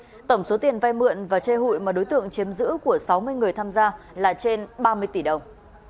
tổng số tiền vay mượn và chơi hụi mà đối tượng chiếm giữ của sáu mươi người tham gia là trên ba mươi tỷ đồng